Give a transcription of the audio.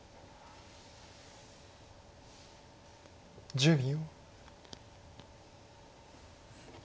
１０秒。